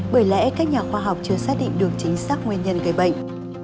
bởi lẽ các nhà khoa học chưa xác định được chính xác nguyên nhân gây bệnh